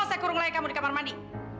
mau saya kurung layak kamu di kamar mandi